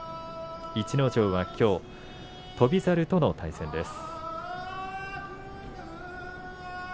逸ノ城はきょう翔猿との対戦です。